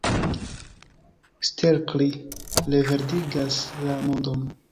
Stelkri reverdigas la mondon.